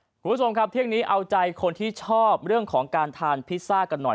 คุณผู้ชมครับเที่ยงนี้เอาใจคนที่ชอบเรื่องของการทานพิซซ่ากันหน่อย